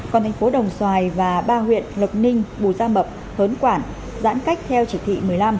còn thành phố đồng xoài và ba huyện lộc ninh bù gia mập hớn quản giãn cách theo chỉ thị một mươi năm